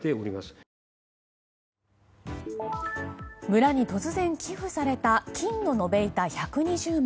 村に突然寄付された金の延べ板１２０枚。